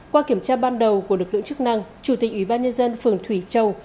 qua kiểm tra ban đầu của lực lượng chức năng chủ tịch ủy ban nhân dân phường thủy châu